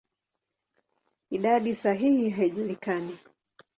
Idadi sahihi haijulikani.